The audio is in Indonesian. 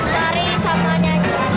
nari sama danya